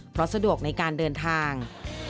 เพราะสะดวกในการเดินทาง